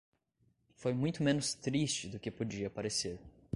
foi muito menos triste do que podia parecer